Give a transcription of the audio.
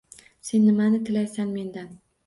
Sen nimani tilaysan mendan?